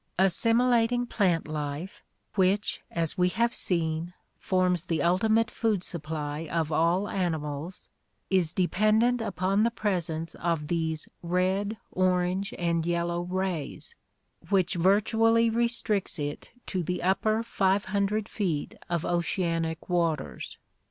Assimilating plant life, which, as we have seen, forms the ulti mate food supply of all animals, is dependent upon the presence of these red, orange, and yellow rays, which virtually restricts it to the upper 500 feet of oceanic waters.